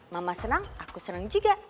mama senang aku senang juga